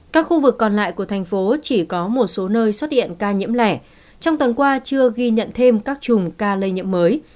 các khu vực còn lại của thành phố chỉ có một số nơi xuất hiện ca nhiễm lẻ trong tuần qua chưa ghi nhận thêm các chùm ca lây nhiễm mới